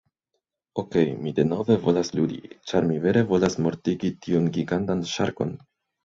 Okej, mi denove volas ludi, ĉar mi vere volas mortigi tiun gigantan ŝarkon.